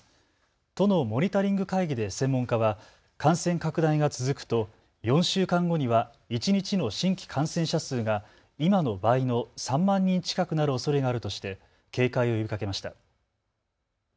都のモニタリング会議で専門家は感染拡大が続くと４週間後には一日の新規感染者数が今の倍の３万人近くなるおそれがあるとして警戒を呼びかけました。